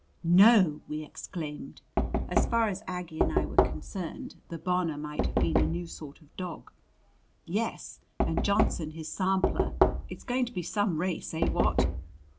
"No!" we exclaimed. As far as Aggie and I were concerned, the Bonor might have been a new sort of dog. "Yes, and Johnson his Sampler. It's going to be some race eh, what!"